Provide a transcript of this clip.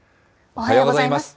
おはようございます。